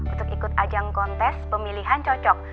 untuk ikut ajang kontes pemilihan cocok